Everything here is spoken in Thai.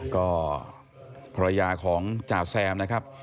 ก็ภรรยาของจ่าแซมนะครับ